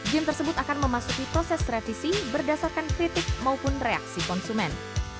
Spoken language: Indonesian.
game tersebut akan memasuki proses revisi berdasarkan kritik maupun reaksi konsumen